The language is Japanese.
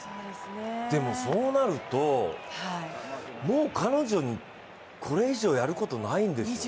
でもそうなると、もう彼女にこれ以上やることないんですよ。